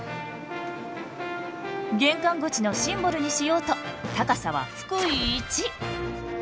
玄関口のシンボルにしようと高さは福井一。